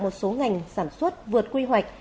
một số ngành sản xuất vượt quy hoạch